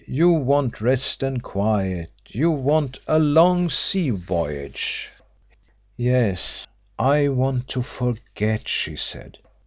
"You want rest and quiet you want a long sea voyage." "Yes, I want to forget," she said.